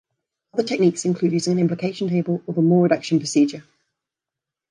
Other techniques include using an implication table, or the Moore reduction procedure.